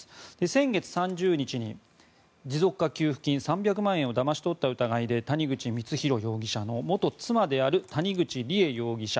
先月３０日に持続化給付金３００万円をだまし取った疑いで谷口光弘容疑者の元妻である谷口梨恵容疑者